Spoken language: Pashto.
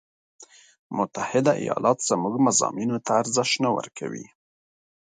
متحده ایالات زموږ مضامینو ته ارزش نه ورکوي.